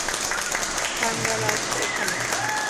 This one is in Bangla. থাঙ্গারাজ, এখানে।